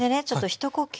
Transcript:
一呼吸。